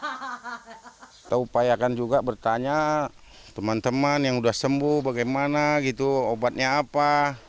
kita upayakan juga bertanya teman teman yang sudah sembuh bagaimana gitu obatnya apa